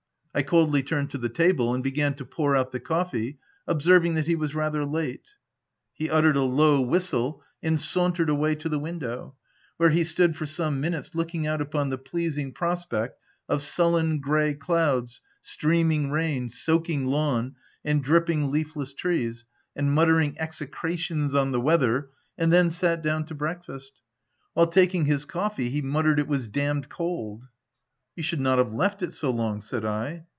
I coldly turned to the table, and began to pour out the coffee, observing that he was rather late. He uttered a low whistle and sauntered away to the window, where he stood for some minutes looking out upon the pleasing prospect of sullen, grey clouds, streaming rain, soaking lawn, and dripping, leafless trees— and mutter ing execrations on the weather, and then sat down to breakfast. While taking his coffee, he muttered it was ? d — d cold." "•You should not have left it so long/' said I.